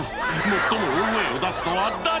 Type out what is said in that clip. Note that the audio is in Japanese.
最も大声を出すのは誰だ？